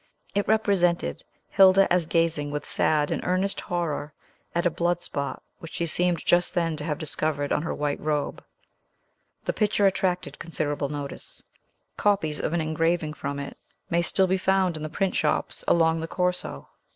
It represented Hilda as gazing with sad and earnest horror at a bloodspot which she seemed just then to have discovered on her white robe. The picture attracted considerable notice. Copies of an engraving from it may still be found in the print shops along the Corso.